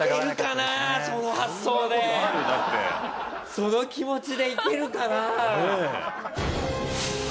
その気持ちでいけるかなあ？